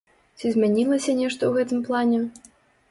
Ці змянілася нешта ў гэтым плане?